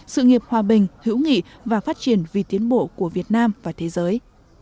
sự nghiệp hòa bình hữu nghị và phát triển vì tiến bộ của việt nam và thế giới